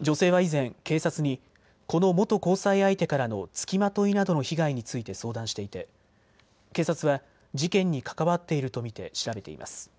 女性は以前、警察にこの元交際相手からのつきまといなどの被害について相談していて警察は事件に関わっていると見て調べています。